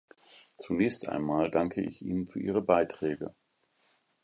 Zunächst einmal danke ich Ihnen für Ihre Beiträge.